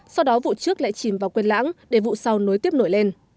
sau đó vụ trước lại chìm vào quyền lãng để vụ sau nối tiếp nổi lên